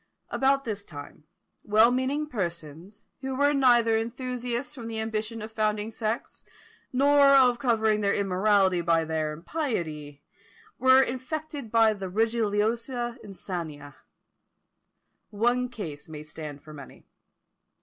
About this time, well meaning persons, who were neither enthusiasts from the ambition of founding sects, nor of covering their immorality by their impiety, were infected by the religiosa insania. One case may stand for many.